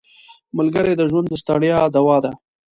ملګری د ژوند د ستړیا دوا ده